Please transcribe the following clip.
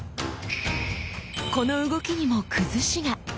この動きにも「崩し」が！